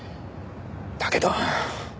だけど。